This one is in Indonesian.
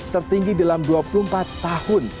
tertinggi dalam dua puluh empat tahun